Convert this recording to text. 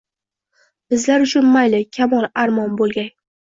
Bizlar uchun mayli kamol armon boʼlgay